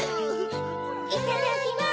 いただきます。